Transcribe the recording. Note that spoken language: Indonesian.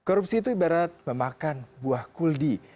korupsi itu ibarat memakan buah kuldi